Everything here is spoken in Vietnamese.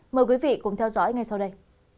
mời quý vị cùng theo dõi ngay sau đây